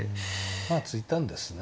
まあ突いたんですね